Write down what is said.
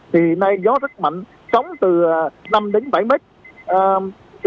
thì nay gió rất mạnh trống từ năm đến bảy mét